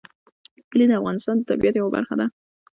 کلي د افغانستان د طبیعت یوه برخه ده.